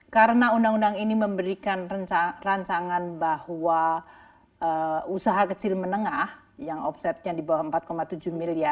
karena undang undang ini memberikan rancangan bahwa usaha kecil menengah yang offsetnya di bawah empat tujuh miliar